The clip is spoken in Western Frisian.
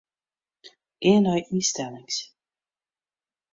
Gean nei ynstellings.